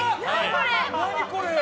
何これ。